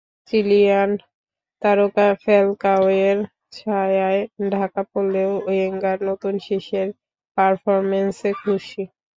Chilean তারকা ফ্যালকাওয়ের ছায়ায় ঢাকা পড়লেও ওয়েঙ্গার নতুন শিষ্যের পারফরম্যান্সে খুশি।